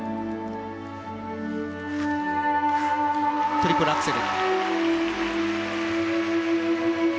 トリプルアクセル。